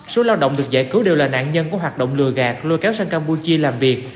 số lao động được giải cứu đều là nạn nhân của hoạt động lừa gạt lôi kéo sang campuchia làm việc